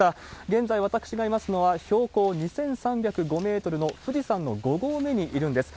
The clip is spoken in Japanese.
現在私がいますのは、標高２３０５メートルの富士山の５合目にいるんです。